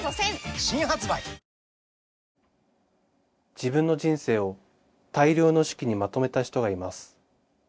自分の人生を大量の手記にまとめた人がいます。